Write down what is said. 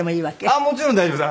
あっもちろん大丈夫です